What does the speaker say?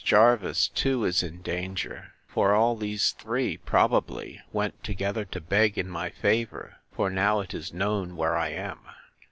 Jervis too is in danger; for all these three, probably, went together to beg in my favour; for now it is known where I am.